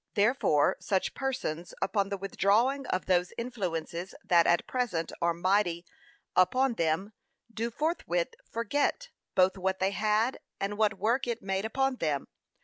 ] Therefore such persons upon the withdrawing of those influences that at present are mighty upon them, do forthwith; forget, both what they had, and what work it made upon them.